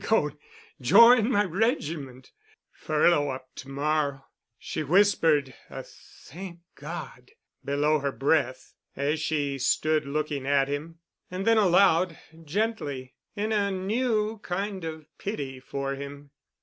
"Goin' join m'regimen'. Furlough up t'morr'." She whispered a "Thank God" below her breath as she stood looking at him. And then aloud, gently, in a new kind of pity for him.